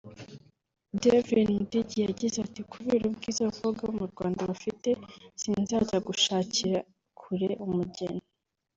Delvin Mudigi yagize ati “Kubera ubwiza abakobwa bo mu Rwanda bafite sinzajya gushakire kure umugeni